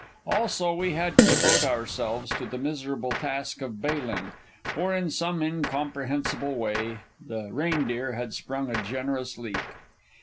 Also we had to devote ourselves to the miserable task of bailing, for in some incomprehensible way the Reindeer had sprung a generous leak.